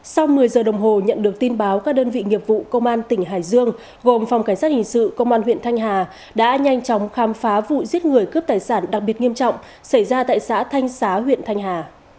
sau một mươi giờ đồng hồ nhận được tin báo các đơn vị nghiệp vụ công an tỉnh hải dương gồm phòng cảnh sát hình sự công an huyện thanh hà đã nhanh chóng khám phá vụ giết người cướp tài sản đặc biệt nghiêm trọng xảy ra tại xã thanh xá huyện thanh hà